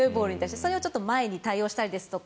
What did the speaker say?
それをちょっと前に対応したりですとか。